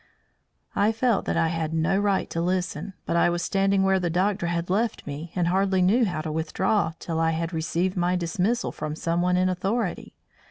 I felt that I had no right to listen. But I was standing where the doctor had left me, and hardly knew how to withdraw till I had received my dismissal from someone in authority.